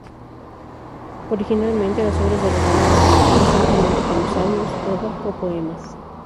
Originalmente, las obras de Romano eran conocidas simplemente como "salmos", "odas" o ""poemas".